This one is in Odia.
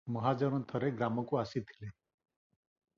ମହାଜନ ଥରେ ଗ୍ରାମକୁ ଆସିଥିଲେ ।